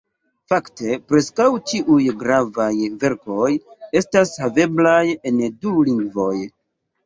Fakte preskaŭ ĉiuj gravaj verkoj estas haveblaj en du lingvoj.